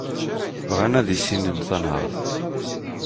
Bɣan ad issinen tanhart.